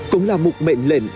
cũng là một bệnh lệnh